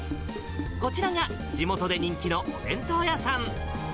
こちらが地元で人気のお弁当屋さん。